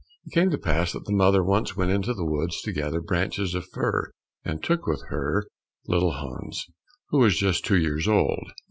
It came to pass that the mother once went into the wood to gather branches of fir, and took with her little Hans, who was just two years old.